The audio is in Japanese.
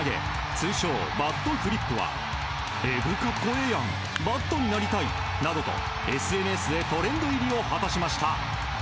通称バットフリップはえぐカッコええやんバットになりたいなどとＳＮＳでトレンド入りを果たしました。